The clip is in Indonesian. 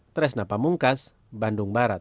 teresna pamungkas bandung barat